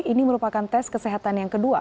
ini merupakan tes kesehatan yang kedua